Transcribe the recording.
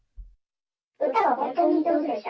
歌は本当に上手でした。